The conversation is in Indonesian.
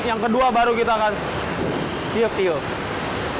yang kedua baru kita akan tiup tiup